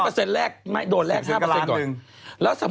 ๕เปอร์เซ็นต์แรกโดนแรก๕เปอร์เซ็นต์ก่อน